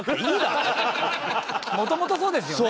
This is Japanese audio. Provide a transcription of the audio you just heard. もともとそうですよね。